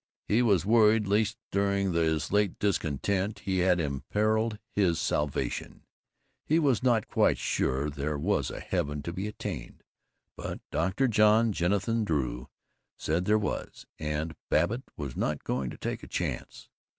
He was worried lest during his late discontent he had imperiled his salvation. He was not quite sure there was a Heaven to be attained, but Dr. John Jennison Drew said there was, and Babbitt was not going to take a chance.